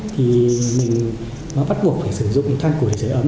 thì mình bắt buộc phải sử dụng than củi sửa ấm